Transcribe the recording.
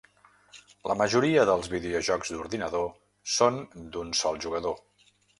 La majoria dels videojocs d'ordinador són d'un sol jugador.